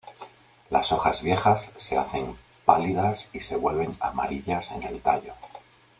Las hojas viejas se hacen pálidas y se vuelven amarillas en el tallo.